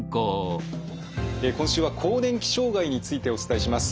今週は更年期障害についてお伝えします。